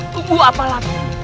tunggu apa lagi